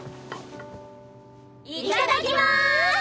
いただきます！